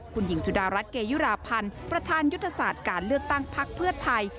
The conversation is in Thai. คุณหญิงสุดารัฐเกยุราพันธ์ประธานยุทธศาสตร์การเลือกตั้งพักเพื่อไทย